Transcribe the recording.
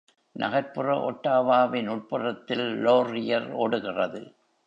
நகர்ப்புற Ottawa-வின் உட்புறத்தில் Laurier ஓடுகிறது.